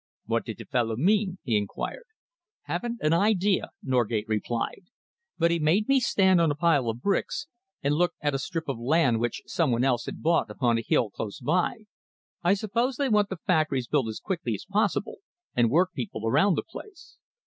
"What did the fellow mean?" he enquired. "Haven't an idea," Norgate replied, "but he made me stand on a pile of bricks and look at a strip of land which some one else had bought upon a hill close by. I suppose they want the factories built as quickly as possible, and work people around the place."